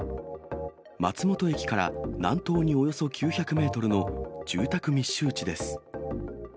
松本駅から南東におよそ９００メートルの住宅密集地です。